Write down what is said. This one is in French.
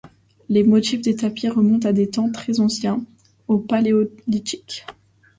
Les motifs des tapis remontent à des temps très anciens, au Paléolithique.